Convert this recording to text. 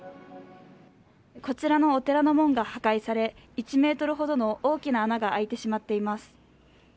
こちらのお寺の門が破壊され１ｍほどの大きな穴が開いてしまっています。